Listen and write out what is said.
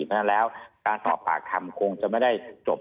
เพราะฉะนั้นแล้วการสอบปากคำคงจะไม่ได้จบ